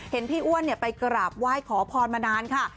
เห็นพี่อ้วนไปกราบไหว้ขอพรมานานค่ะ